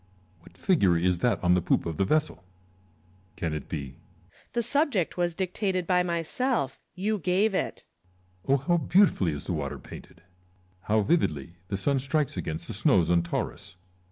What figure is that on the poop of the vessel ? Can it be Lucullus. The subject was dictated by myself ; you gave it. Coisar. Oh how beautifully is the water painted ! Hovv vividly the sun strikes against the snows on Taurus